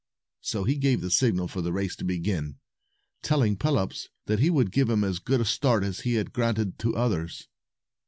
So he gave the signal for the race to begin, telling Pelops that he would give him as good a start as he had granted to others.